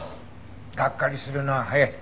がっかりするのは早い。